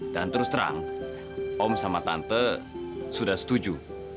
dan terus terang om sama tante sudah setuju